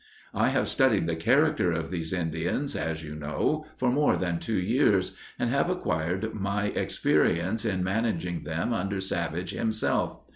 "I have studied the character of these Indians, as you know, for more than two years, and have acquired my experience in managing them under Savage himself.